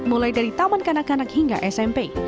mulai dari taman kanak kanak hingga smp